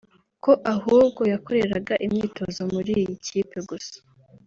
ko ahubwo yakoreraga imyitozo muri iyi kipe gusa